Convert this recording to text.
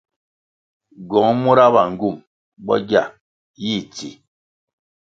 Ywuong mura ba ngywum bo gia yih tsi.